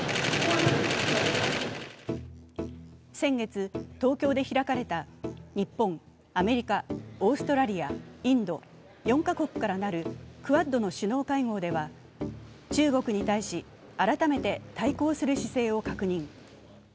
先月、東京で開かれた日本、アメリカ、オーストラリア、インド、４カ国から成るクアッドの首脳会合では、中国に対し改めて対抗する姿勢を確認。